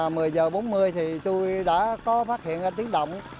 mười giờ bốn mươi thì tôi đã có phát hiện ra tiếng động